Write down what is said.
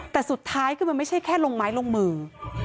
แต่สุดท้ายคือมันไม่ใช่แค่ลงไม้ลงมือ